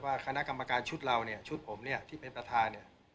คณะกรรมการชุดเราเนี่ยชุดผมเนี่ยที่เป็นประธานเนี่ย